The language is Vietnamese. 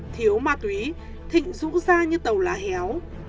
thiếu ma túy thịnh rũ ra như tàu lá héo